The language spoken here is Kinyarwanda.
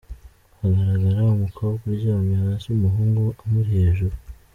Hagaragara umukobwa uryamye hasi umuhungu amuri hejuru.